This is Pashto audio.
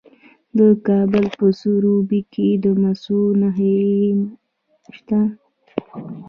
د کابل په سروبي کې د مسو نښې شته.